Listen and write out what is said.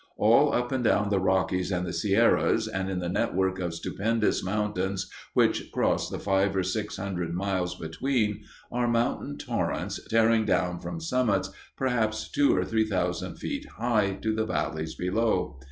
All up and down the Rockies and the Sierras, and in the network of stupendous mountains which cross the five or six hundred miles between, are mountain torrents tearing down from summits perhaps two or three thousand feet high to the valleys below.